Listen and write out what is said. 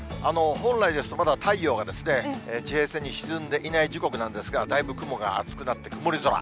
本来ですと、まだ太陽がですね、地平線に沈んでいない時刻なんですが、だいぶ雲が厚くなって、曇り空。